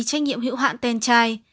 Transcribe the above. trách nhiệm hữu hạn tenchai